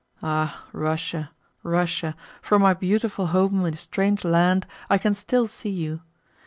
Ah, Russia, Russia, from my beautiful home in a strange land I can still see you!